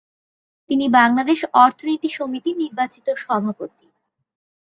তিনি বাংলাদেশ অর্থনীতি সমিতির নির্বাচিত সভাপতি।